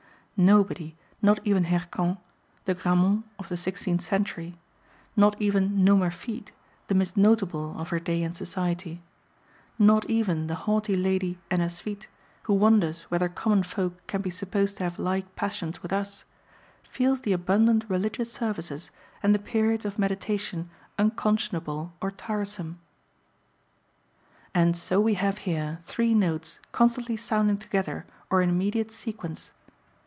Nobody, not even Hircan, the Grammont of the sixteenth century; not even Nomerfide, the Miss Notable of her day and society; not even the haughty lady Ennasuite, who wonders whether common folk can be supposed to have like passions with us, feels the abundant religious services and the periods of meditation unconscionable or tiresome. And so we have here three notes constantly sounding together or in immediate sequence.